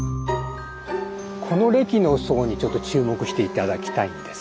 この礫の層にちょっと注目して頂きたいんです。